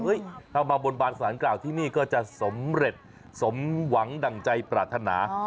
ถ้ามาบนบานสารกล่าวที่นี่ก็จะสำเร็จสมหวังดั่งใจปรารถนา